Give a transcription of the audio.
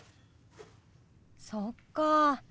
そっかぁ。